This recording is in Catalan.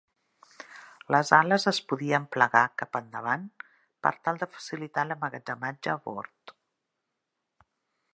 Les ales es podien plegar cap endavant per tal de facilitar l'emmagatzematge a bord.